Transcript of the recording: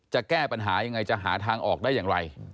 จะแก้ปัญหายังไงจะหาทางออกได้อย่างไร